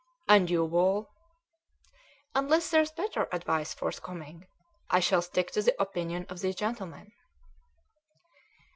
"And you, Wall?" "Unless there's better advice forthcoming, I shall stick to the opinion of these gentlemen."